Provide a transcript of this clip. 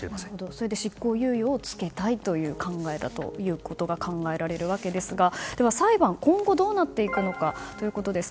それで、執行猶予をつけたいという考えだと考えられますが裁判、今後どうなっていくのかということです。